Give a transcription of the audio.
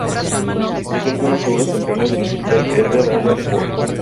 Publicó algunas obras tempranas del escritor Edgar Allan Poe.